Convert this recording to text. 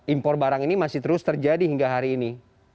impor barang ini masih terus terjadi hingga hari ini